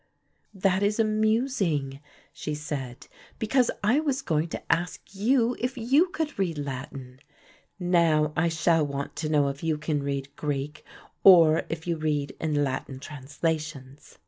"That is amusing," she said, "because I was going to ask you if you could read Latin. Now I shall want to know if you can read Greek or if you read in Latin translations.